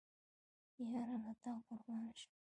یاره له تا قربان شم